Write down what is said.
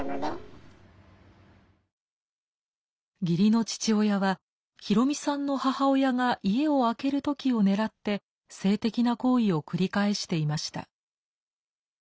義理の父親はヒロミさんの母親が家を空ける時を狙って性的な行為を繰り返していました。